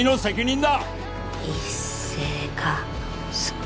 一星が好き。